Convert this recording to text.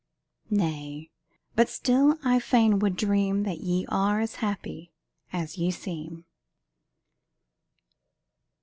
Nay but still I fain would dream That ye are happy as ye seem.